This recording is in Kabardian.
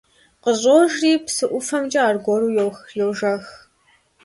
КъыщӀожри, псы ӀуфэмкӀэ аргуэру йожэх.